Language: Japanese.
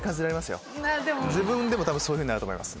自分でも多分そういうふうになると思います。